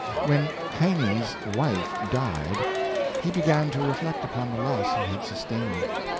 When Heine's wife died, he began to re flect upon the loss he had sustained.